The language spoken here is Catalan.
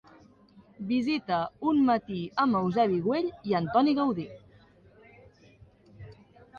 Visita "Un matí amb Eusebi Güell i Antoni Gaudí".